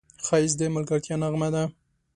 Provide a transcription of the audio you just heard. ښایست د ملګرتیا نغمه ده